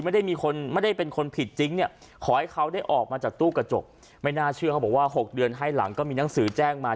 ไม่ได้มีคนไม่ได้เป็นคนผิดจริงเนี่ยขอให้เขาได้ออกมาจากตู้กระจกไม่น่าเชื่อเขาบอกว่า๖เดือนให้หลังก็มีหนังสือแจ้งมา